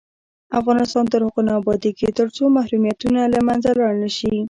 افغانستان تر هغو نه ابادیږي، ترڅو محرومیتونه له منځه لاړ نشي.